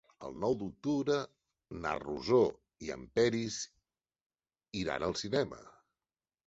El nou d'octubre na Rosó i en Peris iran al cinema.